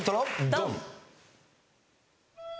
ドン！